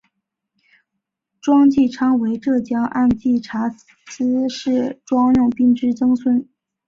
庄际昌为浙江按察司佥事庄用宾之曾孙。